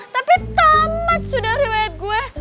tapi tamat sudah riwayat gua